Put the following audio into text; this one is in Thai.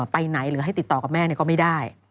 ไปไหนหรือให้ติดต่อกับแม่ก็ไม่ได้